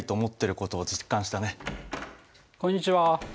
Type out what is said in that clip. こんにちは。